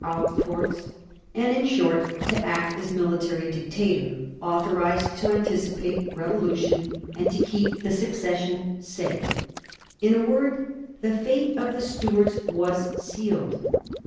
the outports, and, in short, to act as military dictator, authorised to anticipate revolution and to keep the succession safe. In a word the fate of the Stuarts was sealed.